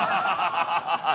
「ハハハハ！